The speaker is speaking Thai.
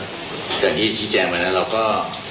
แล้วก็รูปภาพเนี่ยมันชัดเจนว่าเขามีแค่สามชุดนะครับ